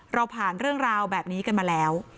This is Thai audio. เราผ่านเรื่องราวแบบนี้กันมาแล้ว